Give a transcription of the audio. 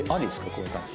こういう感じ。